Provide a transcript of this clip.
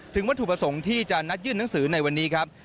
วัตถุประสงค์ที่จะนัดยื่นหนังสือในวันนี้ครับ